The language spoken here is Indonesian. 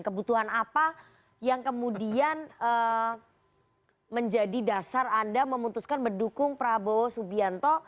kebutuhan apa yang kemudian menjadi dasar anda memutuskan mendukung prabowo subianto